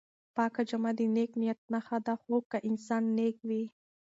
پاکه جامه د نېک نیت نښه ده خو که انسان نېک وي.